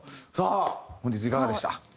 さあ本日いかがでした？